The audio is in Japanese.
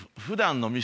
ふだんの？